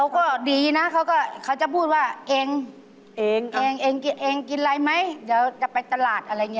กินอะไรไหมเดี๋ยวจะไปตลาดอะไรอย่างนี้